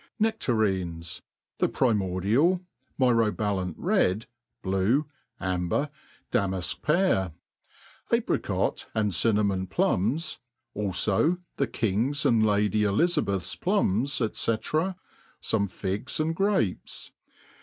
Ne^arines ; the primodial, myrobalant red, blue, amber, damafk pear; apricot, and cinnamon plums; alfo the king's and lady Elizabeth's plums, &c. fome figs and grapes.